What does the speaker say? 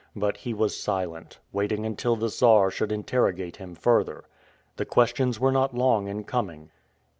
But he was silent, waiting until the Czar should interrogate him further. The questions were not long in coming.